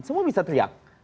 semua bisa teriak